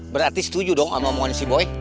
berarti setuju dong sama mohon si boy